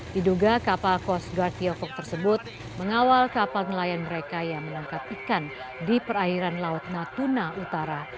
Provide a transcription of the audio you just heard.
diduga kapal coast guard tiongkok tersebut mengawal kapal nelayan mereka yang menangkap ikan di perairan laut natuna utara